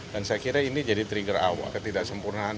dan saya kira ini jadi trigger awal ketidaksempurnaan